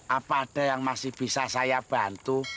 apa ada yang masih bisa saya bantu